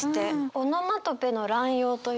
オノマトペの乱用というか。